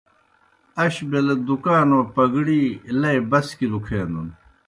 اش بیلہ دُکانو پگڑی لئی بسکیْ لُکھینَن۔